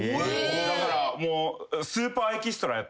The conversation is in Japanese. だからもう。